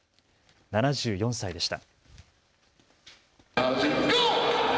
７４歳でした。